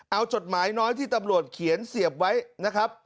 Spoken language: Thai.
เอาจดหมายน้อยที่ตำรวจเขียนเสียบไว้นะครับ